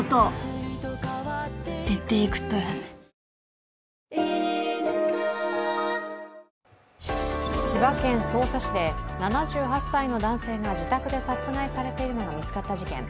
フラミンゴ千葉県匝瑳市で７８歳の男性が自宅で殺害されているのが見つかった事件。